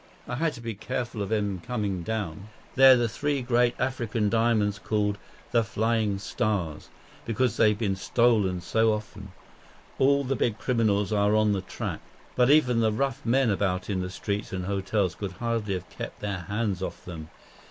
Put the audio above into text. "I had to be careful of 'em coming down. They're the three great African diamonds called 'The Flying Stars,' because they've been stolen so often. All the big criminals are on the track; but even the rough men about in the streets and hotels could hardly have kept their hands off them.